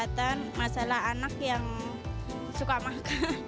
kesehatan masalah anak yang suka makan